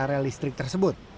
dari listrik tersebut